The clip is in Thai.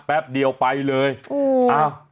แป๊บเดียวไปเลยอูว